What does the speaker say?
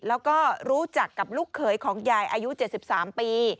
แล้วก็รู้จักกับลูกเขยของยายอายุ๗๓ปี